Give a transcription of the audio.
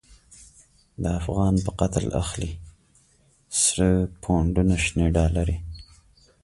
د افغان په قتل اخلی، سره پو نډونه شنی ډالری